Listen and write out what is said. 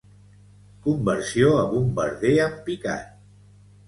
Conversió a bombarder en picat.